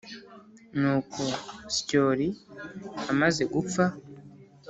Nuko Syoli amaze gupfa